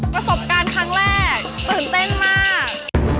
ประสบการณ์ครั้งแรกตื่นเต้นมาก